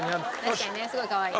確かにねすごいかわいい。